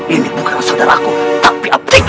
ini bukan saudara aku tapi update oh